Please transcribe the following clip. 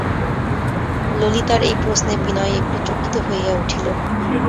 ললিতার এই প্রশ্নে বিনয় একটু চকিত হইয়া উঠিল।